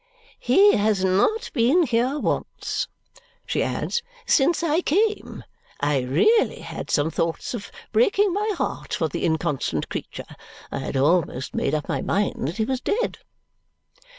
"He has not been here once," she adds, "since I came. I really had some thoughts of breaking my heart for the inconstant creature. I had almost made up my mind that he was dead."